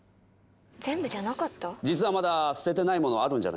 全部じゃなかった？